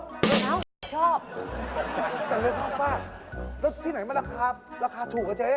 แต่เรือข้ามฟากแล้วที่ไหนมันราคาถูกอะเจ๊